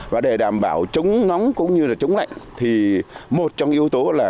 và để đảm bảo chống nóng cũng như là chống lạnh thì một trong những yếu tố là